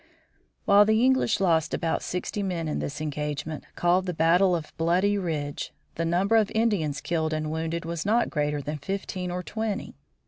While the English lost about sixty men in this engagement, called the battle of Bloody Ridge, the number of Indians killed and wounded was not greater than fifteen or twenty.